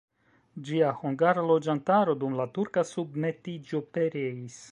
Ĝia hungara loĝantaro dum la turka submetiĝo pereis.